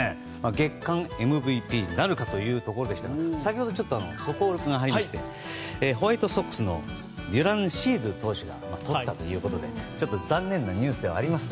月間ＭＶＰなるかというところでしたが先ほど、速報が入りましてホワイトソックスの投手がとったということでちょっと残念なニュースではあります。